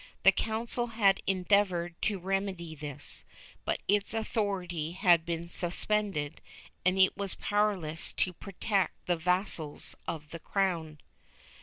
The Council had endeavored to remedy this, but its authority had been suspended and it was powerless to protect the vassals of the crown.